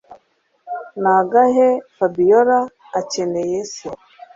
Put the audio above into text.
nagahe Fabiora akeneye se